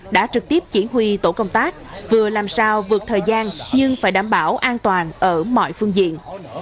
đã trực tiếp chỉ huy tổ công tác vừa làm sao vượt thời gian nhưng phải đảm bảo an toàn ở mọi phương diện